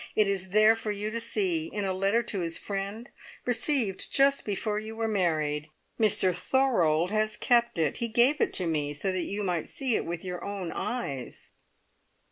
It is there for you to see, in a letter to his friend, received just before you were married. Mr Thorold has kept it he gave it to me, so that you might see it with your own eyes."